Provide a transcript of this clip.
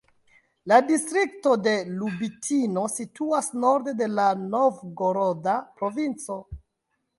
La distrikto de Lubitino situas norde de la Novgoroda provinco.